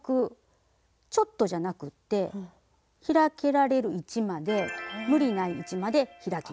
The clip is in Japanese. ちょっとじゃなくって開けられる位置まで無理ない位置まで開きます。